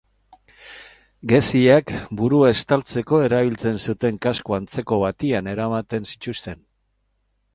Geziak, burua estaltzeko erabiltzen zuten kasko antzeko batean eramaten zituzten.